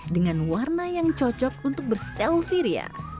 dengan warna yang cocok untuk berselfiria